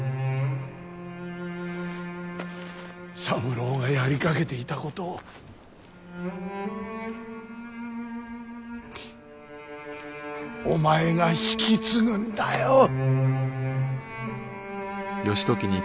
三郎がやりかけていたことをお前が引き継ぐんだよ。